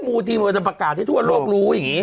บางทีมันจะประกาศให้ทั่วโลกรู้อย่างนี้